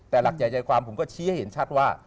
แต่หลักใหญ่ใจความผมก็ชี้ให้เห็นชัดว่า